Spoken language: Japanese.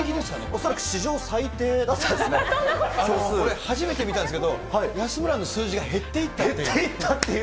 恐らく史上最低だったですね、俺初めて見たんだけど、安村の数字が減っていったっていう。